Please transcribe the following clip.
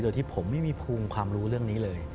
โดยที่ผมไม่มีภูมิความรู้เรื่องนี้เลย